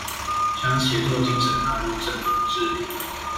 將協作精神納入政府治理